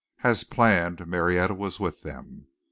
As planned, Marietta was with them.